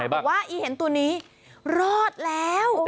บอกว่าอีเห็นตัวนี้รอดแล้ว